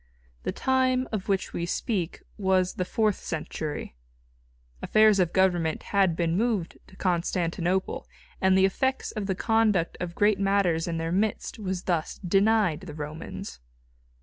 The time of which we speak was the fourth century. Affairs of government had been moved to Constantinople, and the effects of the conduct of great matters in their midst was thus denied the Romans.